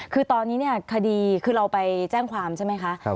คือตอนนี้เนี่ยคดีคือเราไปแจ้งความใช่ไหมคะ